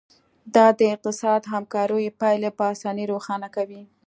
دا د اقتصادي همکاریو پایلې په اسانۍ روښانه کوي